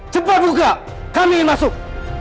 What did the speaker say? cepat buka kami masuk